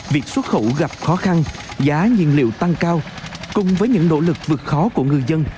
việc xuất khẩu gặp khó khăn giá nhiên liệu tăng cao cùng với những nỗ lực vượt khó của người dân